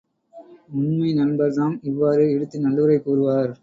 உண்மை நண்பர் தாம் இவ்வாறு இடித்து நல்லுரை கூறுவார்.